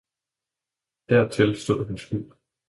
dertil stod hans hu.